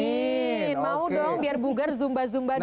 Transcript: mau dong biar bugar zumba zumba dulu nih